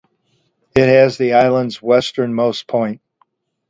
It has the island's westernmost point.